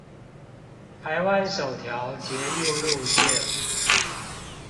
台灣首條捷運路線